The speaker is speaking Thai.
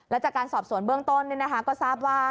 และจากการสอบสวนเบื้องต้นก็ทราบว่า